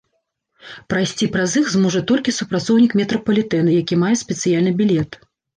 Прайсці праз іх зможа толькі супрацоўнік метрапалітэна, які мае спецыяльны білет.